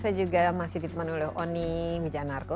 saya juga masih diteman oleh oni mijanarko